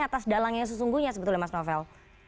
atas dalang yang sesungguhnya sebetulnya mas novel